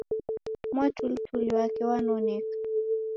Mwatulituli wake wanonek